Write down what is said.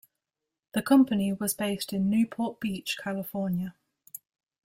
The company was based in Newport Beach, California.